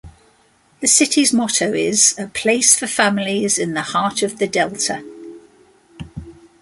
The city's motto is, A Place for Families in the Heart of the Delta.